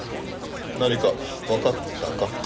何かわかったか？